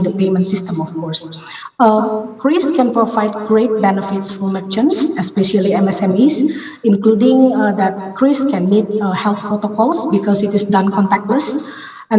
dan membantu mencetak transaksi agar mereka dapat membentuk profil kredit yang memudahkan